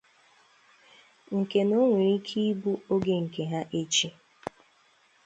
nke na o nwere ike ịbụ oge nke ha echi.